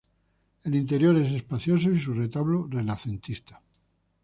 El interior es espacioso y su retablo renacentista.